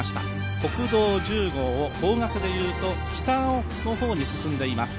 国道１０号を方角でいうと北の方に進んでいます。